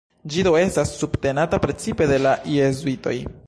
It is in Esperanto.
Ĝi do estas subtenata precipe de la Jezuitoj.